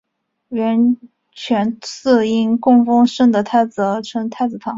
圆泉寺因供奉圣德太子而称太子堂。